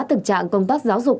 tình trạng công tác giáo dục